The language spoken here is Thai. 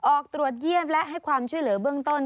ออกตรวจเยี่ยมและให้ความช่วยเหลือเบื้องต้น